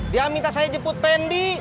dia minta saya jemput pendi